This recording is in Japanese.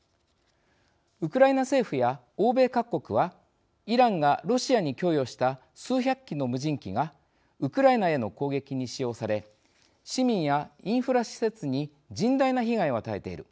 ウクライナ政府や欧米各国はイランがロシアに供与した数百機の無人機がウクライナへの攻撃に使用され市民やインフラ施設に甚大な被害を与えている。